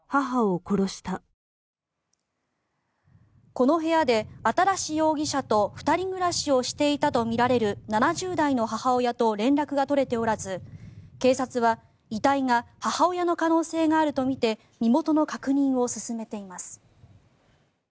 この部屋で新容疑者と２人暮らしをしていたとみられる７０代の母親と連絡が取れておらず警察は遺体が母親の可能性があるとみて身元の確認を進めています。